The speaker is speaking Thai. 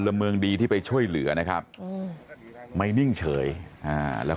ละเมืองดีที่ไปช่วยเหลือนะครับอืมไม่นิ่งเฉยอ่าแล้ว